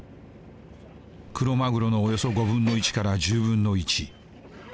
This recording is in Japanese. クロマグロのおよそ５分の１から１０分の１。